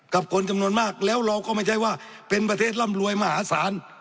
คนจำนวนมากแล้วเราก็ไม่ใช่ว่าเป็นประเทศร่ำรวยมหาศาล